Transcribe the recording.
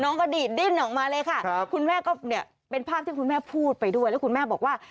กระดีดดิ้นออกมาเลยค่ะคุณแม่ก็เนี่ยเป็นภาพที่คุณแม่พูดไปด้วยแล้วคุณแม่บอกว่า